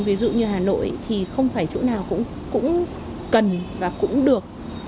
ví dụ như hà nội thì không phải chỗ nào cũng cần và cũng được